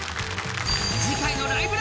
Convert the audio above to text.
次回の「ライブ！